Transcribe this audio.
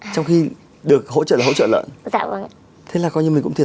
tháng kiếm được hai trăm linh ba trăm linh nghìn